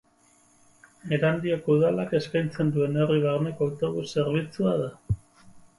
Erandioko udalak eskaintzen duen herri barneko autobus zerbitzua da.